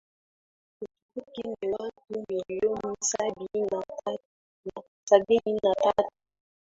Uturuki ni watu milioni sabini na tatu